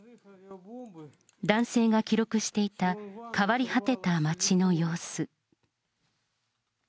男性が記録していた、変わり果てた街の様子。